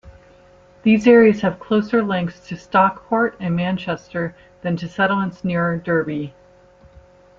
These areas have closer links to Stockport and Manchester than to settlements nearer Derby.